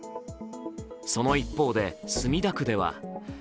その一方で墨田区ではＢＡ．